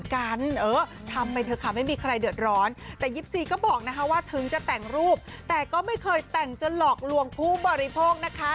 ก็บอกนะคะว่าถึงจะแต่งรูปแต่ก็ไม่เคยแต่งจนหลอกลวงผู้บริโภคนะคะ